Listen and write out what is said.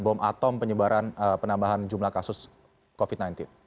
bom atom penyebaran penambahan jumlah kasus covid sembilan belas